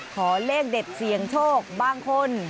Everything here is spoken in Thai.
ขอเลขเด็ดเสี่ยงโชคบางคน